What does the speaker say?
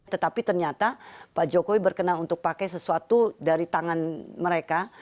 tetapi ternyata pak jokowi berkenan untuk pakai sesuatu dari tangan mereka